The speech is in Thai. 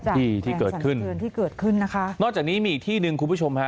ที่ที่เกิดขึ้นคืนที่เกิดขึ้นนะคะนอกจากนี้มีอีกที่หนึ่งคุณผู้ชมฮะ